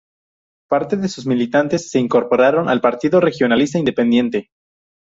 Parte de sus militantes se incorporaron al Partido Regionalista Independiente.